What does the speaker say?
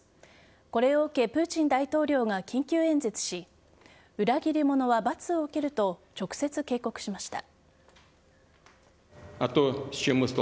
これを受けプーチン大統領が緊急演説し裏切り者は罰を受けると直接警告しました。